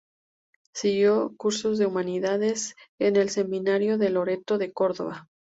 Siguió cursos de Humanidades en el Seminario de Loreto, de Córdoba.